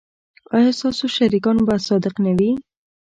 ایا ستاسو شریکان به صادق نه وي؟